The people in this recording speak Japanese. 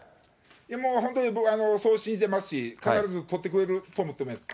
もう本当に、それを信じてますし、必ずとってくれると思ってます。